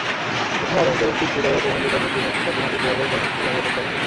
প্রথম আবেদনটি ছিল প্রধান বিচারপতির নেতৃত্বাধীন আপিল বিভাগের বেঞ্চ পুনর্গঠন করা নিয়ে।